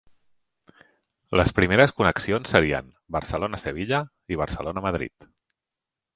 Les primeres connexions serien Barcelona - Sevilla i Barcelona - Madrid.